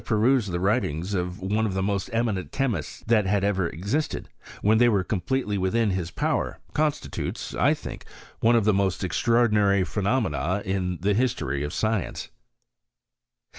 perused the writings of one of the most eminent chemists that had ever existed, when they were com pletely within his power, constitutes, I think, one of the most extraordinary phenomena in the history of science.